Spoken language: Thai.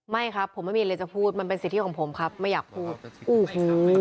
ไม่ครับผมไม่มีอะไรจะพูดมันเป็นสิทธิของผมครับไม่อยากพูดโอ้โห